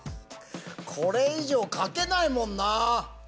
これ以上描けないもんな。